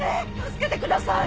助けてください！